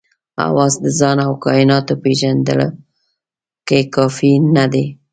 حواس د ځان او کایناتو پېژندلو کې کافي نه دي.